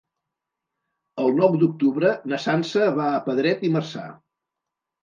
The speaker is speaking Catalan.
El nou d'octubre na Sança va a Pedret i Marzà.